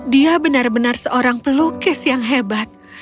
dia benar benar seorang pelukis yang hebat